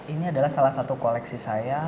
ini adalah salah satu koleksi saya